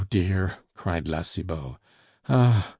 oh dear!" cried La Cibot. "Ah!